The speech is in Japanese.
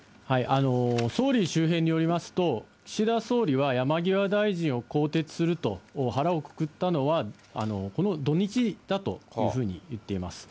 総理周辺によりますと、岸田総理は山際大臣を更迭すると腹をくくったのは、この土日だというふうに言っています。